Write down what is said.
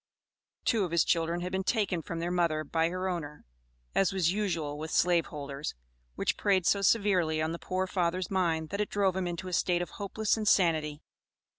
Two of his children had been taken from their mother by her owner, as was usual with slave holders, which preyed so severely on the poor father's mind that it drove him into a state of hopeless insanity.